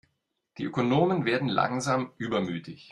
Die Ökonomen werden langsam übermütig.